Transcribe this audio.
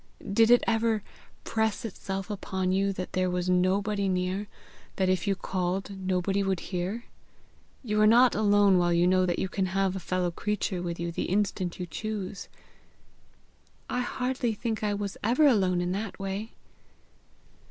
Did it ever press itself upon you that there was nobody near that if you called nobody would hear? You are not alone while you know that you can have a fellow creature with you the instant you choose." "I hardly think I was ever alone in that way."